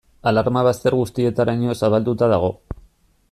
Alarma bazter guztietaraino zabalduta dago.